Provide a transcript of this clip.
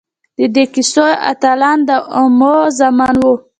د دې کیسو اتلان د عوامو زامن وو.